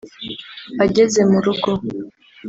ageze mu rugo